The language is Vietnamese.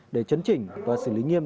để chấn chỉnh và xử lý nghiêm